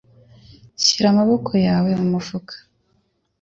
Shira amaboko yawe mu mufuka.